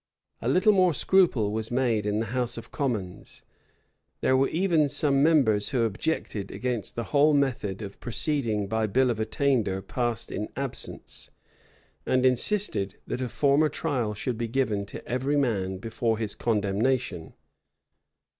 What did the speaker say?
A little more scruple was made in the house of commons: there were even some members who objected against the whole method of proceeding by bill of attainder passed in absence; and insisted, that a formal trial should be given to every man before his condemnation.